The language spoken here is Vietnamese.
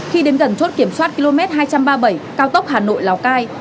khi đến gần chốt kiểm soát km hai trăm ba mươi bảy cao tốc hà nội lào cai